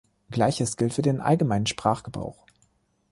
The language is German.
Gleiches gilt für den allgemeinen Sprachgebrauch.